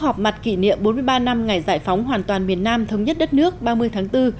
họp mặt kỷ niệm bốn mươi ba năm ngày giải phóng hoàn toàn miền nam thống nhất đất nước ba mươi tháng bốn